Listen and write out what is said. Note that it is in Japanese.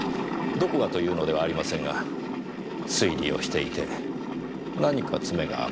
どこがというのではありませんが推理をしていて何か詰めが甘い。